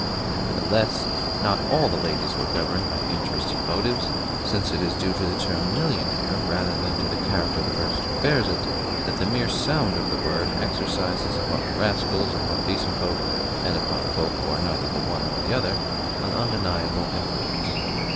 Nevertheless, not ALL the ladies were governed by interested motives, since it is due to the term "millionaire" rather than to the character of the person who bears it, that the mere sound of the word exercises upon rascals, upon decent folk, and upon folk who are neither the one nor the other, an undeniable influence.